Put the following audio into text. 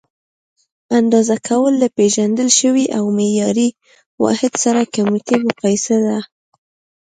اندازه کول: له پېژندل شوي او معیاري واحد سره کمیتي مقایسه ده.